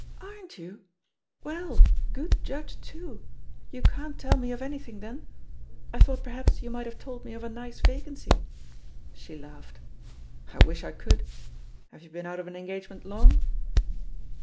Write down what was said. "Aren't you? Well, good judge tool You can't tell me of anything, then? I thought per liaps you might have told me of a nice vacancy.*' She laughed. "I wish I could. Have you been out of an engagement long?"